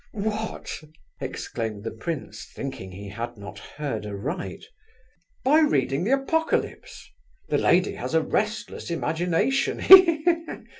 "What?" exclaimed the prince, thinking he had not heard aright. "By reading the Apocalypse. The lady has a restless imagination, he he!